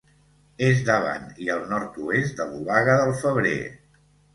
És davant i al nord-oest de l'Obaga del Febrer.